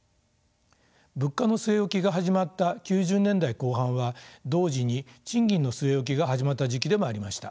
物価の据え置きが始まった９０年代後半は同時に賃金の据え置きが始まった時期でもありました。